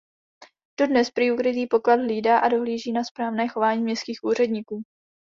Dodnes prý ukrytý poklad hlídá a dohlíží na správné chování městských úředníků.